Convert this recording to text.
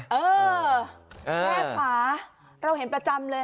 เออแค่ขวาเราเห็นประจำเลย